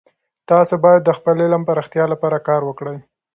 تاسې باید د خپل علم د پراختیا لپاره کار وکړئ.